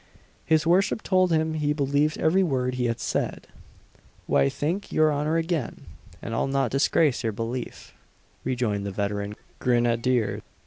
His worship told him he believed every word he had said. "Why, thank your honour again, and I'll not disgrace your belief," rejoined the veteran grenadier.